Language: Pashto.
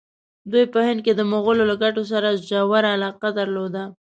دوی په هند کې د مغولو له ګټو سره ژوره علاقه درلوده.